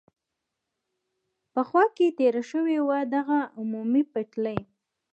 په خوا کې تېره شوې وه، دغه عمومي پټلۍ.